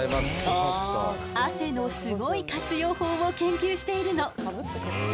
汗のすごい活用法を研究しているの。